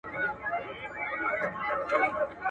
د ښوونکو لپاره د سفر او ټرانسپورت اسانتیاوي نه وي.